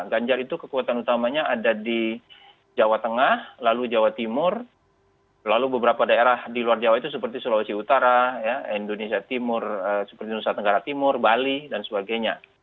ganjar itu kekuatan utamanya ada di jawa tengah lalu jawa timur lalu beberapa daerah di luar jawa itu seperti sulawesi utara indonesia timur seperti nusa tenggara timur bali dan sebagainya